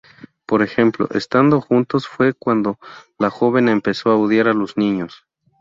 Por ejemplo, estando juntos fue cuando la joven empezó a odiar a los niños.